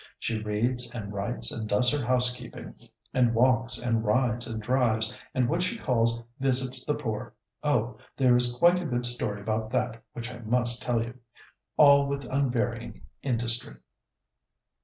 She reads and writes and does her housekeeping, and walks, and rides and drives, and what she calls visits the poor (oh, there is quite a good story about that, which I must tell you!), all with unvarying industry."